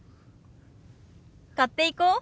買っていこう。